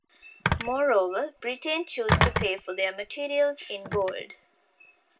Moreover, Britain chose to pay for their materials in gold.